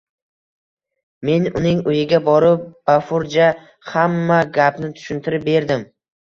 Men uning uyiga borib, bafurja x`amma gapni tushuntirb berdim